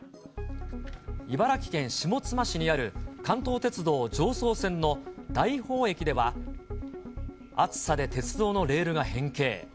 茨城県下妻市にある関東鉄道常総線の大宝駅では暑さで鉄道のレールが変形。